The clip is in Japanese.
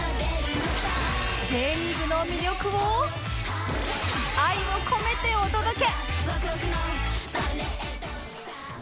Ｊ リーグの魅力を愛を込めてお届け！